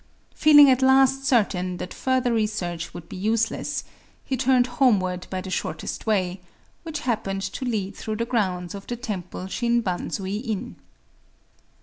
Feeling at last certain that further research would be useless, he turned homeward by the shortest way, which happened to lead through the grounds of the temple Shin Banzui In.